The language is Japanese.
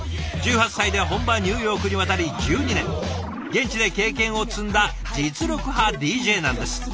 １８歳で本場ニューヨークに渡り１２年現地で経験を積んだ実力派ＤＪなんです。